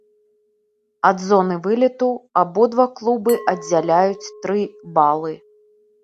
Ад зоны вылету абодва клубы аддзяляюць тры балы.